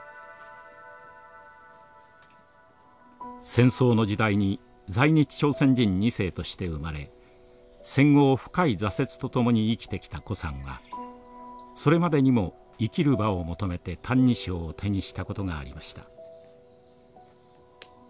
戦争の時代に在日朝鮮人２世として生まれ戦後を深い挫折と共に生きてきた高さんはそれまでにも生きる場を求めて「歎異抄」を手にしたことがありました。